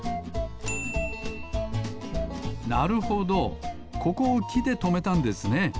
なるほどここをきでとめたんですね。